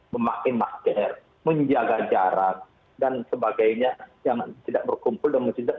memakai masker menjaga jarak dan sebagainya yang tidak berkumpul dan mencintai